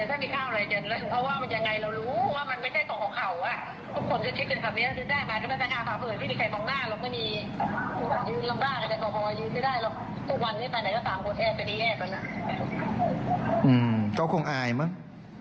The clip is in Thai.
อืมเขาคงอายมั้ง